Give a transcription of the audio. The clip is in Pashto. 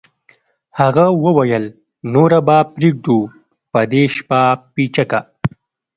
هغه وویل نوره به پرېږدو په دې شپه پیچکه